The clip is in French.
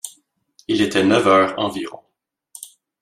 Il était neuf heures environ.